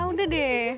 ah udah deh